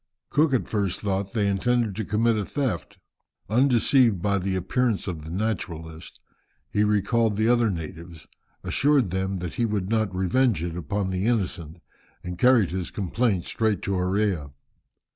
Cook at first thought they intended to commit a theft. Undeceived by the appearance of the naturalist, he recalled the other natives, assured them that he would not revenge it upon the innocent, and carried his complaint straight to Orea.